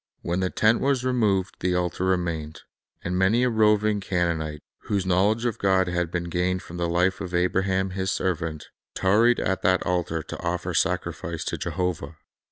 When the tent was removed, the altar remained; and many a roving Canaanite, whose knowledge of God had been gained from the life of Abraham His servant, tarried at that altar to offer sacrifice to Jehovah.